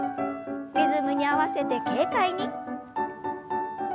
リズムに合わせて軽快に。